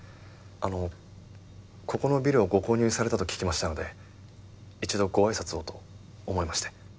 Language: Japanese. あのここのビルをご購入されたと聞きましたので一度ご挨拶をと思いまして。